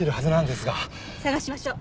捜しましょう。